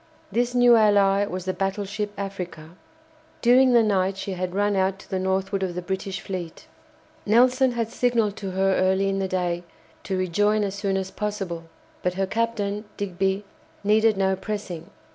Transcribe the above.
This new ally was the battleship "Africa." During the night she had run out to the northward of the British fleet. Nelson had signalled to her early in the day to rejoin as soon as possible, but her captain, Digby, needed no pressing.